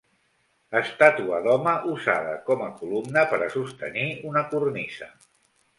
Estàtua d'home usada com a columna per a sostenir una cornisa.